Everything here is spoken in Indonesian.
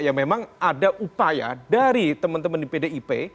ya memang ada upaya dari teman teman di pdip